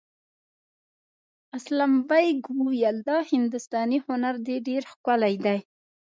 اسلم بېگ وویل دا هندوستاني هنر دی ډېر ښکلی دی.